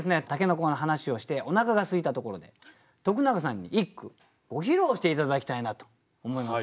筍の話をしておなかがすいたところで徳永さんに一句ご披露して頂きたいなと思いますね。